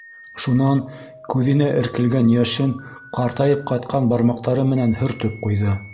Шунан күҙенә эркелгән йәшен ҡартайып ҡатҡан бармаҡтары менән һөртөп ҡуйҙы.